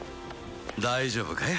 大丈夫かい？